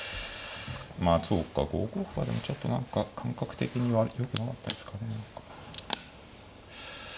まあそうか５五歩はでもちょっと何か感覚的にはよくなかったですかね。